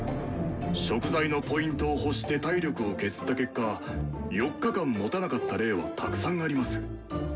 食材のＰを欲して体力を削った結果４日間もたなかった例はたくさんあります。